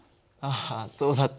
あそうだった。